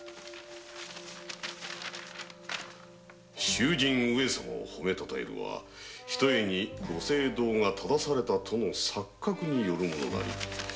「衆人上様を褒めたたえるはひとえに御政道が正されたとの錯覚によるものなり。